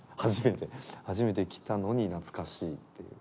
初めて来たのに懐かしいっていう。